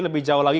lebih jauh lagi